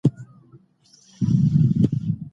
اخلاق مهم دي.